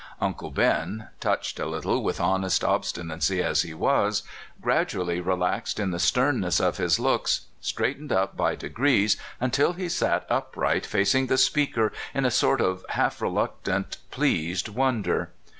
Uncle Ben, touched a little with honest obstinacy as he was, gradually relaxed in the sternness of his looks, straightened up by degrees until he sat upright facing the speaker in a sort of half reluctant, pleased won der.